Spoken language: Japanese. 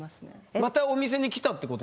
またお店に来たってことですか？